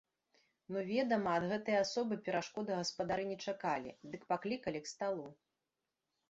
Ну, ведама, ад гэтай асобы перашкоды гаспадары не чакалі, дык паклікалі к сталу.